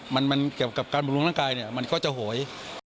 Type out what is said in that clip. มันเกี่ยวกับการบำรุงร่างกายเนี่ยมันก็จะโหย